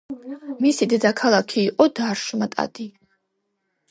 მისი დედაქალაქი იყო დარმშტადტი.